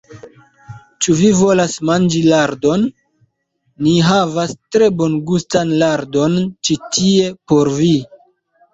Ĉu vi volas manĝi lardon? Ni havas tre bongustan lardon ĉi tie por vi.